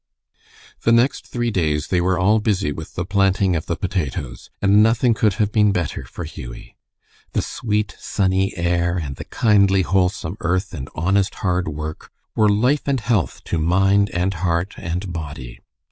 The next three days they were all busy with the planting of the potatoes, and nothing could have been better for Hughie. The sweet, sunny air, and the kindly, wholesome earth and honest hard work were life and health to mind and heart and body.